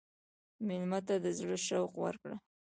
مېلمه ته د زړه شوق ورکړه.